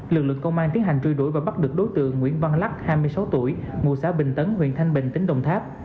lực lượng công an tiến hành truy đuổi và bắt được đối tượng nguyễn văn lắc hai mươi sáu tuổi ngụ xã bình tấn huyện thanh bình tỉnh đồng tháp